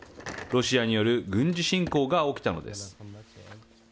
ロシアによる軍事侵攻が起きたのです。